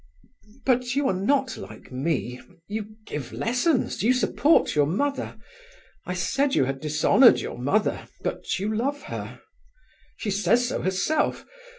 But you are not like me... you give lessons... you support your mother. I said you had dishonoured your mother, but you love her. She says so herself...